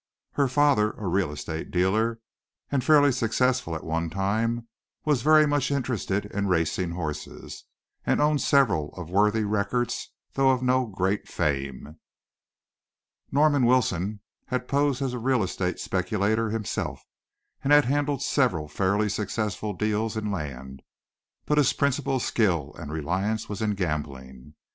Her father, a real estate dealer, and fairly successful at one time, was very much interested in racing horses, and owned several of worthy records though of no great fame. Norman Wilson had posed as a real estate speculator himself, and had handled several fairly successful deals in land, but his principal skill and reliance was in gambling.